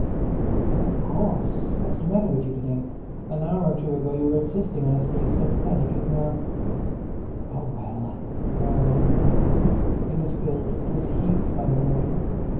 "Of course! What's the matter with you to day? An hour or two ago you were insisting on us being sympathetic, and now—" Oh well! Laura ran for the basket. It was filled, it was heaped by her mother.